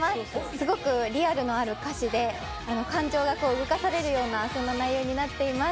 すごくリアルのある歌詞で、感情が動かされるような、そんな内容になっています。